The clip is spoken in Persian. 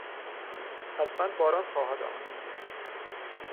حتما باران خواهد آمد.